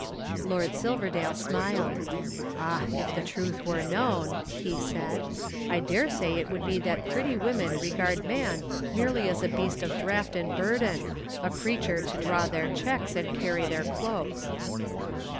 Lord Silverdale smiled. "Ah, if the truth were known," he said, "I daresay it would be that pretty women regard man merely as a beast of draught and burden, a creature to draw their checks and carry their cloaks."